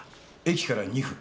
駅から２分。